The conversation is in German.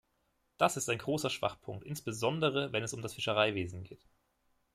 Das ist ein großer Schwachpunkt, insbesondere wenn es um das Fischereiwesen geht.